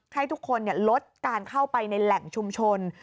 ให้ทุกคนลดการเข้าไปในแหล่งชุมชน